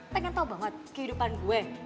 pengen tahu banget kehidupan gue